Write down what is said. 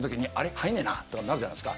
入んねえなあとかなるじゃないですか。